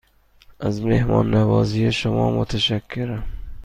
از مهمان نوازی شما متشکرم.